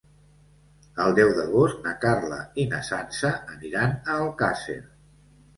El deu d'agost na Carla i na Sança aniran a Alcàsser.